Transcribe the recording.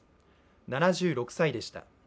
７６歳でした。